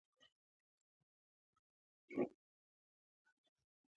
دغه ننګونې له دین سره دښمني نه ده.